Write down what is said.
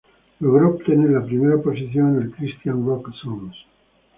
Logró obtener la primera posición en el Christian Rock Songs.